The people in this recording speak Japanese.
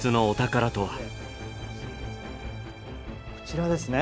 こちらですね。